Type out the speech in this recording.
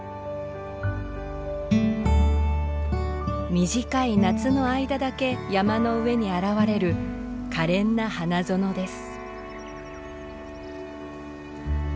短い夏の間だけ山の上に現れる可憐な花園です。